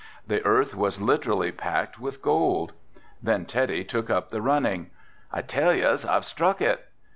The earth was literally packed with gold. Then Teddy took up the running. "I tell yez I've struck it."